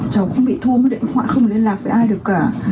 cháu cũng bị thua mất điện thoại không liên lạc với ai được cả